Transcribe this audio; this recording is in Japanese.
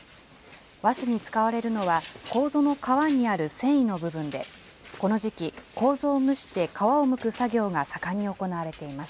和紙に使われるのは、こうぞの皮にある繊維の部分で、この時期、こうぞを蒸して皮をむく作業が盛んに行われています。